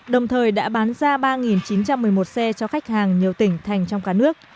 đồng thời đã bán ra ba chín trăm một mươi một xe cho khách hàng nhiều tỉnh thành trong cả nước